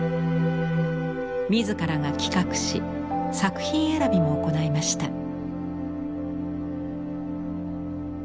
自らが企画し作品選びも行いました。